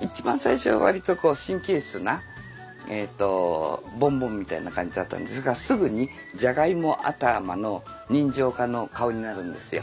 一番最初は割と神経質なボンボンみたいな感じだったんですがすぐにじゃがいも頭の人情家の顔になるんですよ。